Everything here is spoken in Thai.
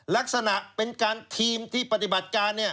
ลักษณะเป็นการทีมที่ปฏิบัติการ